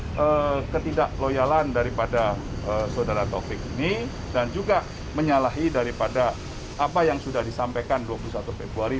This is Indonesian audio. tentang ketidakloyalan daripada saudara taufik ini dan juga menyalahi daripada apa yang sudah disampaikan dua puluh satu februari